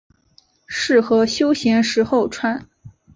适合休闲时候穿。